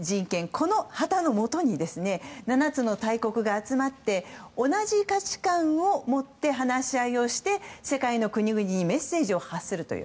この旗のもとに７つの大国が集まって同じ価値観を持って話し合いをして世界の国々にメッセージを発信するという。